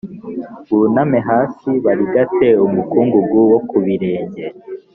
buname hasi barigate umukungugu wo ku birenge